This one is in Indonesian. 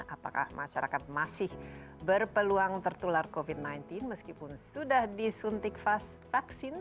apakah masyarakat masih berpeluang tertular covid sembilan belas meskipun sudah disuntik vaksin